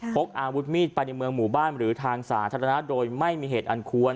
พกอาวุธมีดไปในเมืองหมู่บ้านหรือทางสาธารณะโดยไม่มีเหตุอันควร